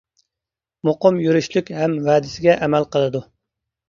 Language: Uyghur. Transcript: مۇقىم يۈرۈشلۈك ھەم ۋەدىسىگە ئەمەل قىلىدۇ.